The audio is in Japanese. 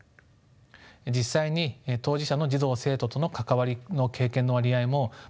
実際に当事者の児童・生徒との関わりの経験の割合も圧倒的に高くですね